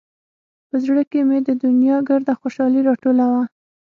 په زړه کښې مې د دونيا ګرده خوشالي راټوله وه.